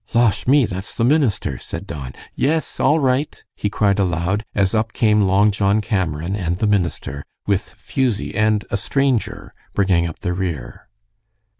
"Losh me! that's the minister," said Don. "Yes, all right," he cried aloud, as up came Long John Cameron and the minister, with Fusie and a stranger bringing up the rear.